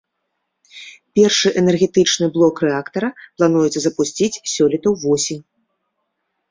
Першы энергетычны блок рэактара плануецца запусціць сёлета ўвосень.